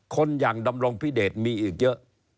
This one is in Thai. คนอย่างดำรงพิเดชมีอีกเยอะ